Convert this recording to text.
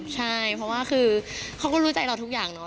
ใช่เพราะว่าคือเขาก็รู้ใจเราทุกอย่างเนาะ